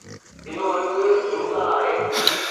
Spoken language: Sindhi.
اهو هڪ جوتا آهي